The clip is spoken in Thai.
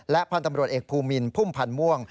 และพันตำรวจเอกภูมินพุ่มพันม่วง